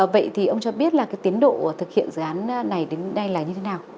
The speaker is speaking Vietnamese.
vậy thì ông cho biết là cái tiến độ thực hiện dự án này đến đây là như thế nào